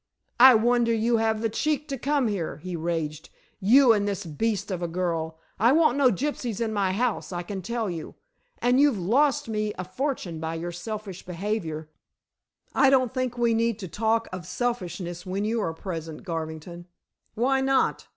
"I wonder you have the cheek to come here," he raged. "You and this beast of a girl. I want no gypsies in my house, I can tell you. And you've lost me a fortune by your selfish behavior." "I don't think we need talk of selfishness when you are present, Garvington." "Why not?